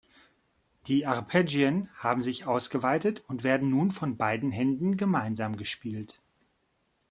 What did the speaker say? Die Arpeggien haben sich ausgeweitet und werden nun von beiden Händen gemeinsam gespielt.